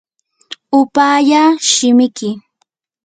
upallaa shimiki.